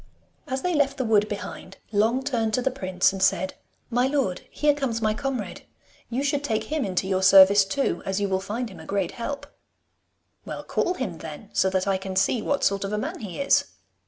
As they left the wood behind, Long turned to the prince and said, 'My lord, here comes my comrade. You should take him into your service too, as you will find him a great help.' 'Well, call him then, so that I can see what sort of a man he is.